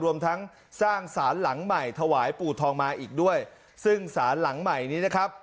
รวมทั้งสร้างสารหลังใหม่ถวายปู่ทองมาอีกด้วยซึ่งสารหลังใหม่นี้นะครับ